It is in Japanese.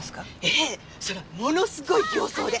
ええそれはものすごい形相で。